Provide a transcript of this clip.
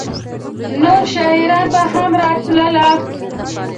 نور شاعران به هم راتله؟